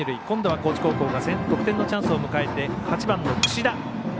今度は高知高校が得点のチャンスを迎えて８番、櫛田。